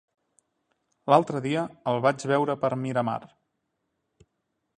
L'altre dia el vaig veure per Miramar.